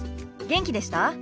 元気でした？